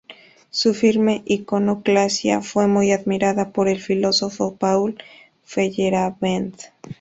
Su firme iconoclasia fue muy admirada por el filósofo Paul Feyerabend.